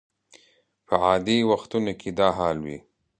په عادي وختونو کې دا حال وي.